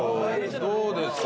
どうですか？